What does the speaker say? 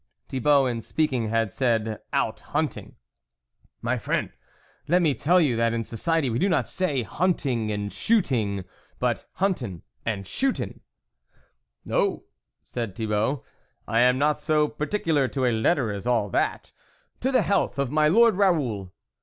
Thibault in speaking had said out hunting. " My friend, let me tell you that in society we do not say hunting and shooting, but huntirf and shootin\" " Oh !" said Thibault, " I am not so particular to a letter as all that. To the health of my Lord Raoul